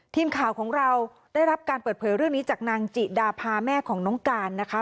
ทีมข่าวของเราได้รับการเปิดเผยเรื่องนี้จากนางจิดาพาแม่ของน้องการนะคะ